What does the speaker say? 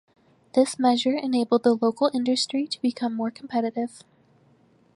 This measure enabled the local industry to become more competitive.